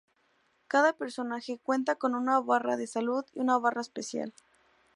Cada personaje cuenta con una barra de salud y una barra especial.